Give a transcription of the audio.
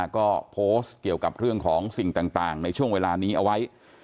ก็โพสต์เกี่ยวกับเรื่องของสิ่งต่างในช่วงเวลานี้เอาไว้